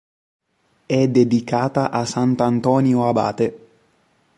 È dedicata a sant'Antonio abate.